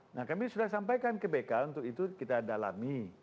nah kami sudah sampaikan ke bk untuk itu kita dalami